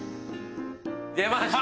出ました！